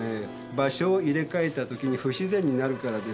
場所を入れ替えたときに不自然になるからです。